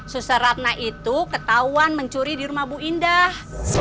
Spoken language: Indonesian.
suseratna itu ketahuan mencuri di rumah bu indah